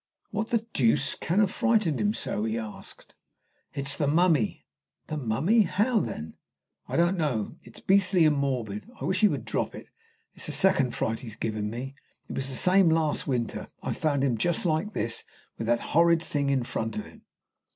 "What the deuce can have frightened him so?" he asked. "It's the mummy." "The mummy? How, then?" "I don't know. It's beastly and morbid. I wish he would drop it. It's the second fright he has given me. It was the same last winter. I found him just like this, with that horrid thing in front of him."